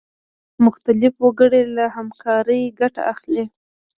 مختلف وګړي له همکارۍ ګټه اخلي.